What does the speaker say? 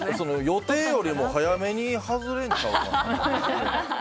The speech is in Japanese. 予定よりも早めに外れるんちゃうかって。